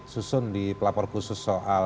susun di pelapor khusus soal